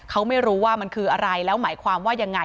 เขาไม่รู้ว่ามันคืออะไรแล้วหมายความว่ายังไง